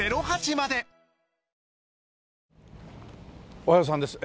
おはようさんです。